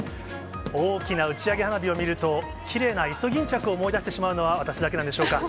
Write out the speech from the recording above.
大きな打ち上げ花火を見ると、きれいなイソギンチャクを思い出してしまうのは私だけなんでしょうか。